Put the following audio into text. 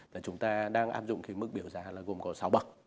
là chúng ta đang áp dụng cái mức biểu giá là gồm có sáu bậc